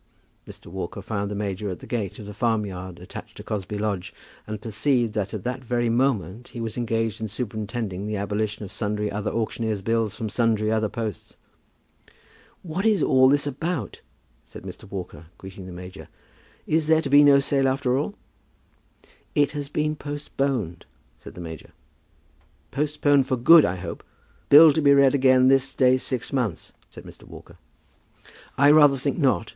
Mr. Walker found the major at the gate of the farmyard attached to Cosby Lodge, and perceived that at that very moment he was engaged in superintending the abolition of sundry other auctioneer's bills from sundry other posts. "What is all this about?" said Mr. Walker, greeting the major. "Is there to be no sale after all?" [Illustration: "No sale after all?"] "It has been postponed," said the major. "Postponed for good, I hope? Bill to be read again this day six months!" said Mr. Walker. "I rather think not.